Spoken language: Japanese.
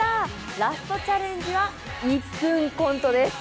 ラストチャレンジは１分コントです